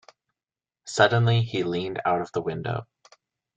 Suddenly he leaned out of the window.